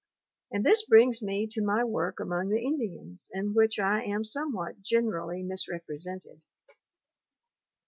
And this brings me to my work among the Indians in which I am somewhat gen erally misrepresented.